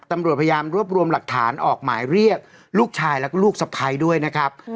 ตำรวจพยายามรวบรวมหลักฐานออกหมายเรียกลูกชายแล้วก็ลูกสะพ้ายด้วยนะครับ